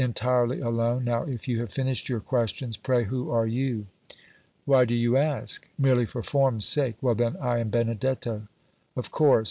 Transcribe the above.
"Entirely alone. Now, if you have finished your questions, pray who are you?" "Why do you ask?" "Merely for form's sake." "Well, then, I am Benedetto." "Of course.